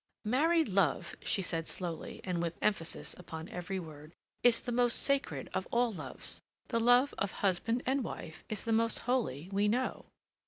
"Married love," she said slowly and with emphasis upon every word, "is the most sacred of all loves. The love of husband and wife is the most holy we know.